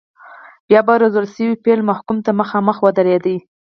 بیا به روزل شوی پیل محکوم ته مخامخ ودرېد.